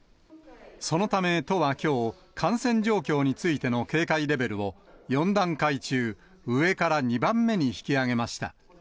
そのため、都はきょう、感染状況についての警戒レベルを、４段階中、上から２番目に引き上げました。